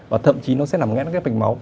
và thậm chí nó sẽ làm ngã cái bệnh máu